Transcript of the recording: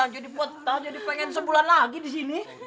jadi putah jadi pengen sebulan lagi disini